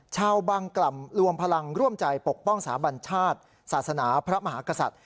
ชาวบางกล่ำรวมพลังร่วมใจปกป้องสาบัญชาติศาสนาพระมหากษัตริย์